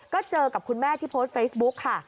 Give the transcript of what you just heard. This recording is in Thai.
ก็เจอกับคุณแม่ที่โพสต์เฟซบุ๊กค่ะ